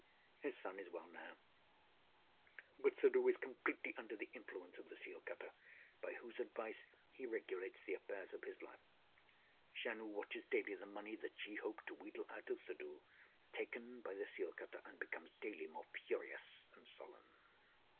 His son is well now; but Suddhoo is completely under the influence of the seal cutter, by whose advice he regulates the affairs of his life. Janoo watches daily the money that she hoped to wheedle out of Suddhoo taken by the seal cutter, and becomes daily more furious and sullen.